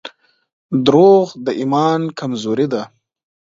• دروغ د ایمان کمزوري ده.